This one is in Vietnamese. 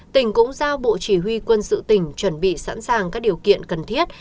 tỉnh cũng giao bộ chỉ huy quân sự tỉnh chuẩn bị sẵn sàng các điều kiện cần thiết